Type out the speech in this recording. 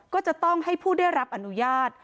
ก็จะต้องให้ผู้ได้รับอนุญาต